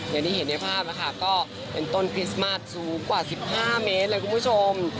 อย่างที่เห็นในภาพแล้วค่ะก็เป็นต้นคริสต์มาสสูงกว่า๑๕เมตรเลยคุณผู้ชม